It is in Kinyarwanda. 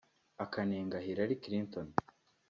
akanenga Hillary Clinton